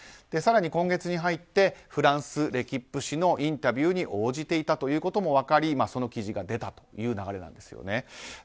更に、今月に入ってフランス・レキップ紙のインタビューに応じていたということも分かりその記事が出たという流れなんですね。